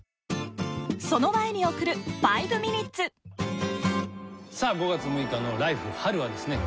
その前に送る「５ミニッツ」さあ５月６日の「ＬＩＦＥ！春」はですね